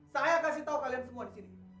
saya kasih tahu kalian semua di sini